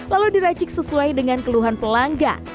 lalu diracik sesuai dengan keluhan pelanggan